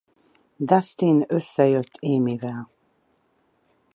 Dustin összejön Amival.